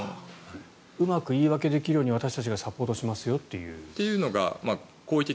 うまく言い訳できるように私たちがサポートしますよという。